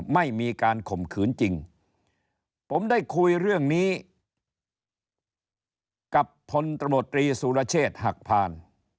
ไม่มีการข่มขืนจริงผมได้คุยเรื่องนี้กับพลตมตรีสุรเชษฐ์หักพาน